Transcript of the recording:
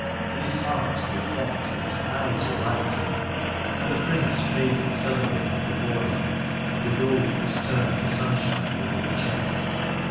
And his heart grew hot and his eyes were lightened : and the Prince faded suddenly from before him and the gold was turned to sunshine within the chest.